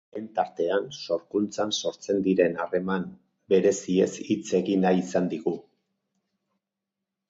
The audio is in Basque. Lehen tartean, sorkunztan sortzen diren harreman bereziez hitz egin nahi izan digu.